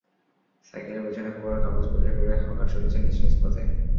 সাইকেলের পেছনে খবরের কাগজ বোঝাই করে হকার চলেছে নিজ নিজ পথে।